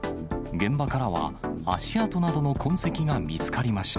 現場からは、足跡などの痕跡が見つかりました。